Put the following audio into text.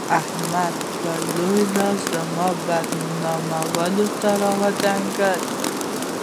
احمد به لوی لاس زما بدنامولو ته راودانګل.